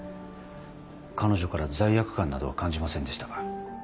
彼女から罪悪感などは感じませんでしたか？